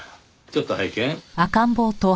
ちょっと拝見。